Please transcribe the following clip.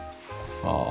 ああ。